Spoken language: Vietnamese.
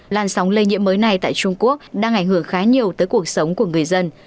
làn sóng lây nhiễm mới này tại trung quốc đang ảnh hưởng khá nhiều tới cuộc sống của người dân